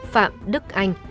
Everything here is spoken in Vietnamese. phạm đức anh